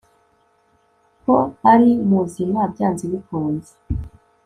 ko ari muzima byanze bikunze